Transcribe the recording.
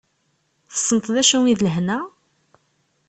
Tessneḍ d acu d lehna?